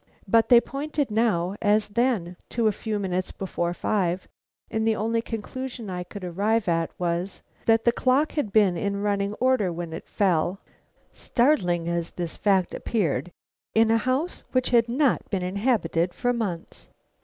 But they pointed now as then to a few minutes before five and the only conclusion I could arrive at was, that the clock had been in running order when it fell, startling as this fact appeared in a house which had not been inhabited for months.